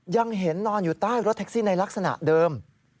ยังเห็นนอนอยู่ใต้รถแท็กซี่ในลักษณะเดิม